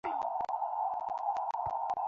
তার blood cancer হয়েছে।